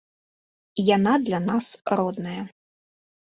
Яна для нас родная.